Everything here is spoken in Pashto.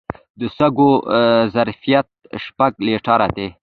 د سږو ظرفیت شپږ لیټره دی.